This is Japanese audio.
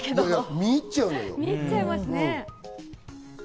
見入っちゃうのよ。